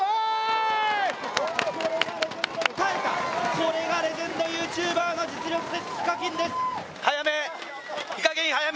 これがレジェンドＹｏｕＴｕｂｅｒの実力、ＨＩＫＡＫＩＮです。